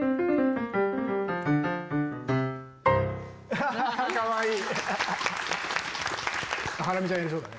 ハハハハかわいい。